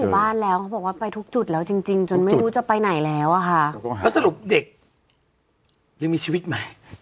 บ้านแล้วเขาบอกว่าไปทุกจุดแล้วจริงจริงจนไม่รู้จะไปไหนแล้วอะค่ะแล้วสรุปเด็กยังมีชีวิตใหม่